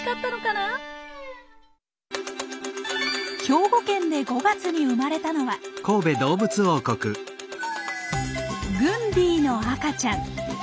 兵庫県で５月に生まれたのはグンディの赤ちゃん。